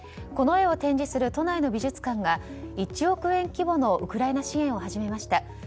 この絵を展示する都内の美術館が１億円規模のウクライナ支援を始めました。